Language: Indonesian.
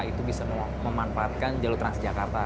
itu bisa memanfaatkan jalur transjakarta